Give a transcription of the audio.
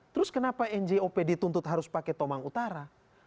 terus kenapa njop dituntut harus pakai tomang utara